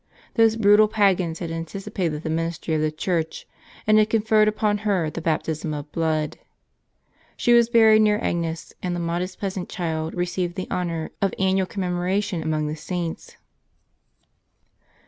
Those brutal Pagans had anticipated the ministry of the Church, and had conferred upon her the baptism of blood. She was buried near Agnes, and the modest peasant child received the honor of annual commemoration among the Saints.